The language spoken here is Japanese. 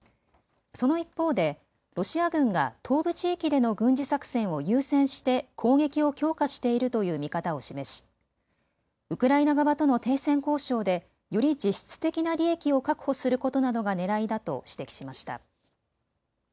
その一方でロシア軍が東部地域での軍事作戦を優先して攻撃を強化しているという見方を示しウクライナ側との停戦交渉でより実質的な利益を確保することなどがねらいだと指摘しました。